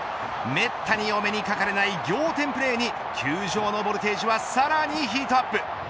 めったに、お目にかかれない仰天プレーに球場のボルテージはさらにヒートアップ。